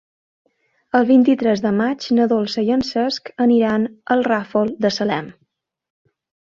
El vint-i-tres de maig na Dolça i en Cesc aniran al Ràfol de Salem.